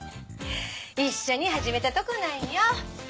一緒に始めたとこなんよ。